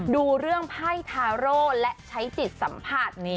ดูเรื่องไพ่ทาโร่และใช้จิตสัมผัส